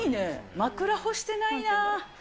枕干してないなぁ。